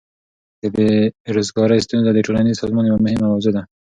د بیروزګاری ستونزه د ټولنیز سازمان یوه مهمه موضوع ده.